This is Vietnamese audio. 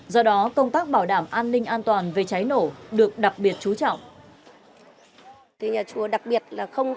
do đó công tác bảo đảm an ninh an toàn về cháy nổ được đặc biệt chú trọng